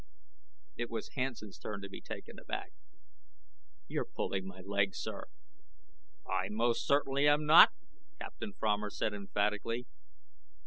It was Hansen's turn to be taken aback. "You're pulling my leg, sir." "I most certainly am not," Captain Fromer said emphatically.